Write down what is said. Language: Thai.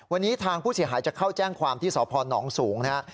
วันนี้ทางผู้เสียหายจะเข้าแจ้งความที่สพนสูงนะครับ